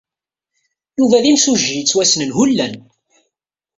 Yuba d imsujji yettwassnen hullan.